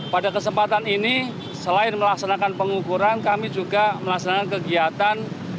pada kesempatan ini selain melaksanakan pengukuran kami juga melaksanakan kegiatan